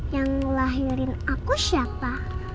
yang ngelahirin aku siapa